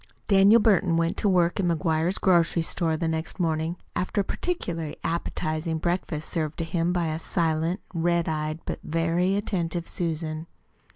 Daniel Burton went to work in McGuire's grocery store the next morning, after a particularly appetizing breakfast served to him by a silent, red eyed, but very attentive Susan.